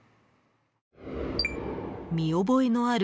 ［見覚えのある］